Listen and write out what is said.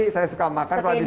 saya suka makan kalau habis